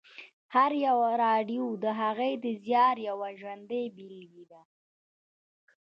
هره راډیو د هغه د زیار یوه ژوندۍ بېلګې ده